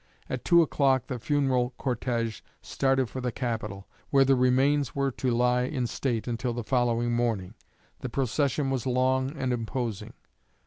At two o'clock the funeral cortege started for the Capitol, where the remains were to lie in state until the following morning. The procession was long and imposing.